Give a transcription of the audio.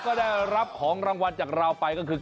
ก็ได้รับของรางวัลจากเราไปก็คือ